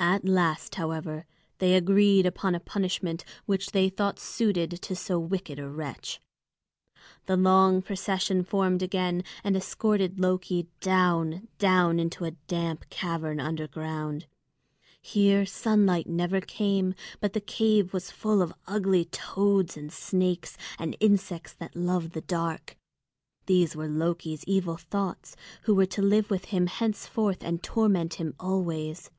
At last, however, they agreed upon a punishment which they thought suited to so wicked a wretch. The long procession formed again and escorted Loki down, down into a damp cavern underground. Here sunlight never came, but the cave was full of ugly toads, snakes, and insects that love the dark. These were Loki's evil thoughts, who were to live with him henceforth and torment him always.